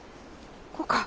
こうか。